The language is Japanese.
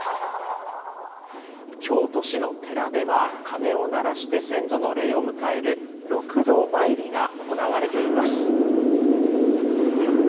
京都市の寺では、鐘を鳴らして先祖の霊を迎える六道まいりが行われています。